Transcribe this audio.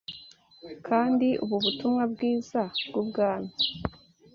Kandi ubu butumwa bwiza bw’ubwami